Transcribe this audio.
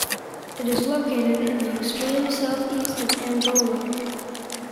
It is located in the extreme south-east of Angola.